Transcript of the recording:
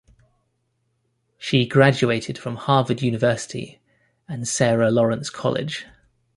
She graduated from Harvard University and Sarah Lawrence College.